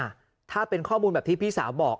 ถ้าเป็นข้อมูลแบบที่พี่สาวบอก